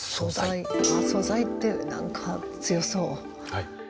あっ素材って何か強そう。